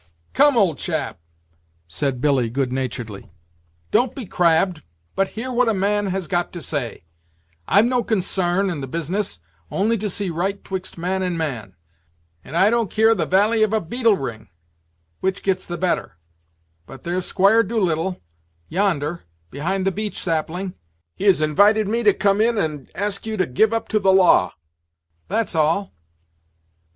"Come, old chap," said Billy, good naturedly, "don't be crabb'd, but hear what a man has got to say I've no consarn in the business, only to see right 'twixt man and man; and I don't kear the valie of a beetle ring which gets the better; but there's Squire Doolittle, yonder be hind the beech sapling, he has invited me to come in and ask you to give up to the law that's all."